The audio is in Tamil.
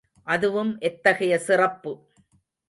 அதுவும் எத்தகைய சிறப்பு?